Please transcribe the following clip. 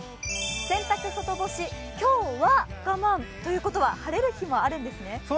洗濯外干し、今日は我慢ということは晴れる日もあるんですね？